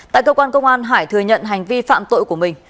tại cơ quan công an hải thừa nhận hành vi phạm tội của mình